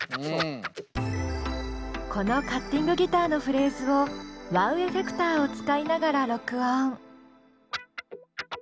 このカッティングギターのフレーズをワウ・エフェクターを使いながら録音。